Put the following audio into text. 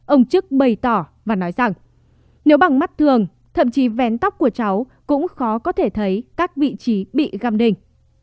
ông trức bày tỏ và nói rằng nếu bằng mắt thường thậm chí vén tóc của cháu cũng khó có thể thấy các vị trí bị găm đình